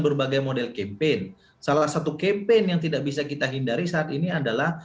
berbagai model campaign salah satu campaign yang tidak bisa kita hindari saat ini adalah